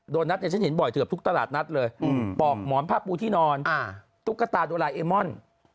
โดนัทเนี่ยฉันเห็นบ่อยเกือบทุกตลาดนัดเลยปอกหมอนผ้าปูที่นอนตุ๊กตาโดราเอมอน